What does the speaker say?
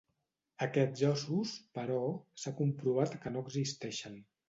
Aquests ossos, però, s'ha comprovat que no existeixen.